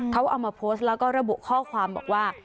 เขาเอามาโพสต์แล้วก็ระบุข้อความบอกว่า